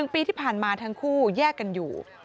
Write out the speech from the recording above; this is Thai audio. ๑ปีที่ผ่านมาทั้งคู่แยกกันอยู่